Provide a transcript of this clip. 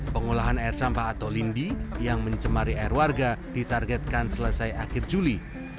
pengolahan air sampah atau lindi yang mencemari air warga ditargetkan selesai akhir juli